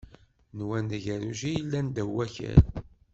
Nwan d agerruj i yellan ddaw wakal.